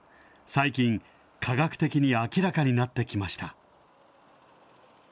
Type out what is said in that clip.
最近、科学的に明らかになってきました。